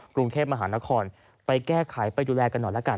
กรุงเทพมหานครไปแก้ไขไปดูแลกันหน่อยละกัน